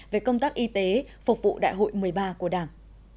về công tác y tế phục vụ đại hội một mươi ba của đảng